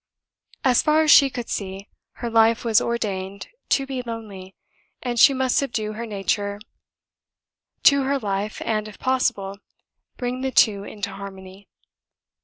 As far as she could see, her life was ordained to be lonely, and she must subdue her nature to her life, and, if possible, bring the two into harmony.